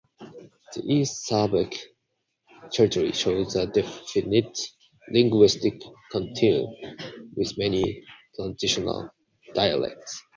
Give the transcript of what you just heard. The East Slavic territory shows a definite linguistic continuum with many transitional dialects.